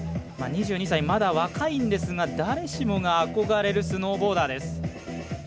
２２歳、まだ若いんですが誰しもが憧れるスノーボーダー。